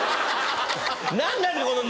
何なの？